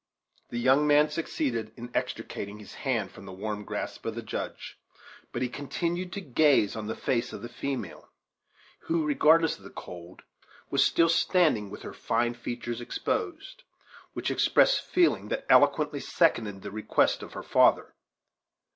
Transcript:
The young man succeeded in extricating his hand from the warm grasp of the Judge, but he continued to gaze on the face of the female, who, regardless of the cold, was still standing with her fine features exposed, which expressed feeling that eloquently seconded the request of her father.